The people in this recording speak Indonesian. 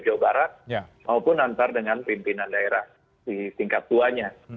jawa barat maupun antar dengan pimpinan daerah di tingkat tuanya